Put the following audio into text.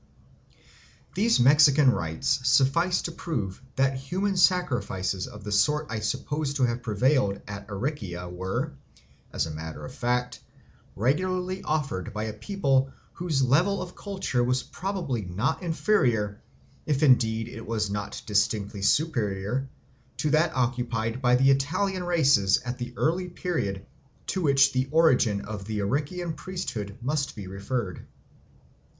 These Mexican rites suffice to prove that human sacrifices of the sort I suppose to have prevailed at Aricia were, as a matter of fact, regularly offered by a people whose level of culture was probably not inferior, if indeed it was not distinctly superior, to that occupied by the Italian races at the early period to which the origin of the Arician priesthood must be referred.